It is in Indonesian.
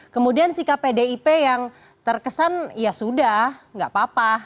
kemudian sikap pdip yang terkesan ya sudah nggak apa apa